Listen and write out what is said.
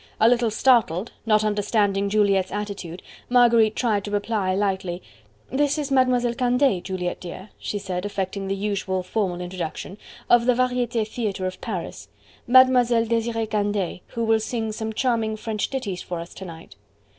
A little startled, not understanding Juliette's attitude, Marguerite tried to reply lightly: "This is Mademoiselle Candeille, Juliette dear," she said, affecting the usual formal introduction, "of the Varietes Theatre of Paris Mademoiselle Desiree Candeille, who will sing some charming French ditties for us to night."